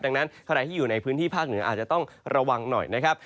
ดังนั้นใครที่อยู่ในพื้นที่ภาคเหนืออาจจะต้องระวังหน่อยนะครับ